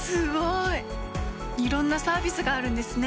いろんなサービスがあるんですね。